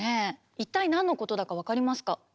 一体何のことだか分かりますか？